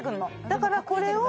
だからこれを。